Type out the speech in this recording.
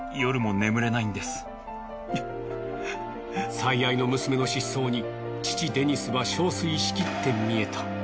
最愛の娘の失踪に父デニスは憔悴しきって見えた。